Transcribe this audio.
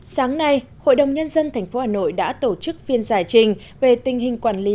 sáng nay hội đồng nhân dân tp hà nội đã tổ chức phiên giải trình về tình hình quản lý